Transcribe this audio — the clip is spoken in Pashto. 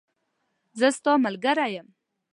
زه ستاملګری یم